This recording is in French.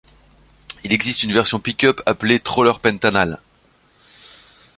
Il existe une version pick-up appelé Troller Pantanal.